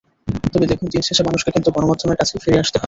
তবে দেখুন, দিন শেষে মানুষকে কিন্তু গণমাধ্যমের কাছেই ফিরে আসতে হয়।